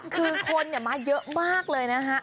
คือคนมาเยอะมากเลยนะฮะ